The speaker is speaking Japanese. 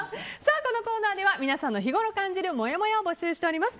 このコーナーでは皆さんの日ごろ感じるもやもやを募集しております。